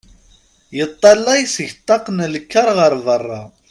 Yeṭṭalay seg ṭṭaq n lkar ɣer berra.